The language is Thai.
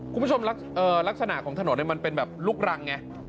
คุณผู้ชมลักษณะของถนนมันเป็นแบบลูกรังไง